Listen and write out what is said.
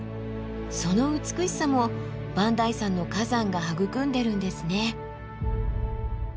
その美しさも磐梯山の火山が育んでるんですね。